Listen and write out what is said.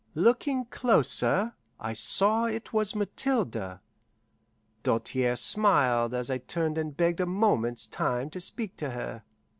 Looking closer, I saw it was Mathilde. Doltaire smiled as I turned and begged a moment's time to speak to her.